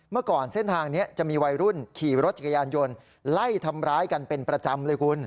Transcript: เมื่อก่อนเส้นทางนี้จะมีวัยรุ่นขี่รถจักรยานยนต์ไล่ทำร้ายกันเป็นประจำเลยคุณ